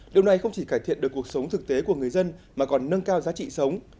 điều này không chỉ cải thiện được cuộc sống thực tế của người dân mà còn nâng cao giá trị sống